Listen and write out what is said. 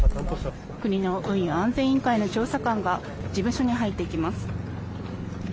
国の運輸安全委員会の調査官が事務所に入っていきます。